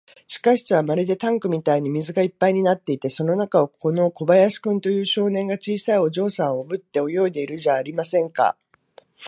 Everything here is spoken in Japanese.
地下室はまるでタンクみたいに水がいっぱいになっていて、その中を、この小林君という少年が、小さいお嬢さんをおぶって泳いでいるじゃありませんか。